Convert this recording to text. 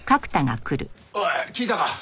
おい聞いたか？